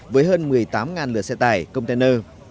với hơn một mươi tám lửa xe tải container